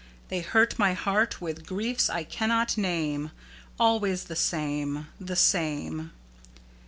They hurt my heart with griefs I cannot name; Always the same the same."